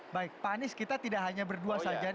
baik pak anies kita tidak hanya berdua saja